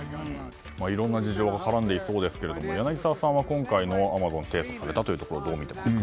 いろいろな事情が絡んでいそうですが柳澤さんは今回のアマゾン提訴どう見ていますか。